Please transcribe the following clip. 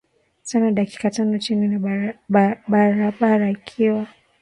sana dakika tano chini ya barabara ikiwa